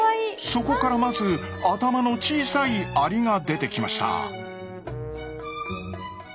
そこからまず頭の小さいアリが出てきました。